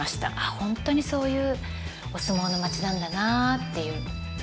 本当にそういうお相撲の町なんだなっていう。